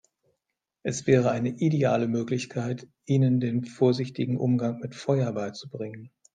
Es wäre eine ideale Möglichkeit, ihnen den vorsichtigen Umgang mit Feuer beizubringen.